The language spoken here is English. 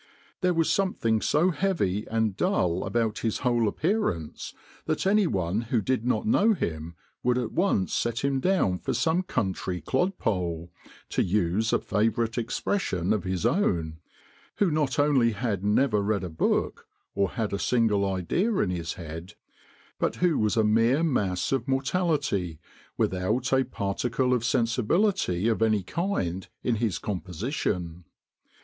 There was something so heavy and dull about his whole appearance, that any one who did not know him would at once set him down for some country clodpole, to use a favourite expression of his own, who not only had never read a book, or had a single idea in his head, but who was a mere mass of mortality, without a particle of sensibility of any kind in his composition.